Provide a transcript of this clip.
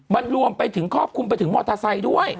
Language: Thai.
มันรวมไปถึงครอบคลุมไปถึงมอเตอร์ไซค์ด้วย